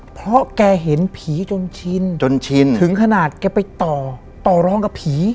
เพราะแกเห็นผีจนชินถึงขนาดแกไปต่อร้องกับผี